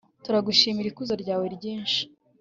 turagushimira ikuzo ryawe ryinshi